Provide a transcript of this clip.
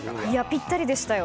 ぴったりでしたよ。